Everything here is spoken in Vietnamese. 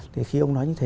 thì khi ông nói như thế